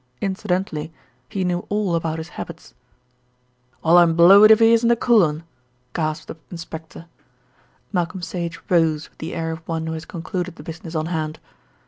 Incidentally he knew all about his habits." "Well, I'm blowed if he isn't a cool un!" gasped the inspector. Malcolm Sage rose with the air of one who has concluded the business on hand.